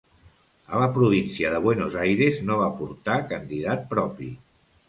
A la província de Buenos Aires no va portar candidat propi.